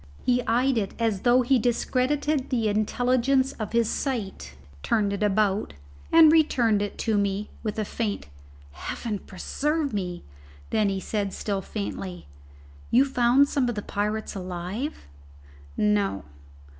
He eyed it as though he discredited the intelligence of his sight, turned it about, and returned it to me with a faint "Heaven preserve me!" Then said he, still faintly, "You found some of the pirates alive?" "No."